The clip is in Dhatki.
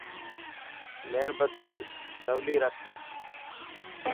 ميڻ بتي سولي رک.